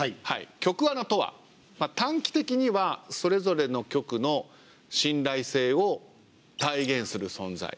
局アナとは短期的にはそれぞれの局の信頼性を体現する存在。